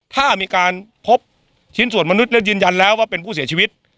ถ้ามีการพบชิ้นส่วนมนุษย์แล้วยืนยันแล้วว่าเป็นผู้เสียชีวิต